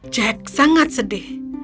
jack sangat sedih